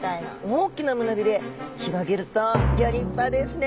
大きな胸鰭広げるとギョ立派ですね！